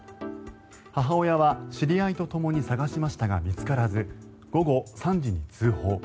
母親は知り合いとともに捜しましたが見つからず午後３時に通報。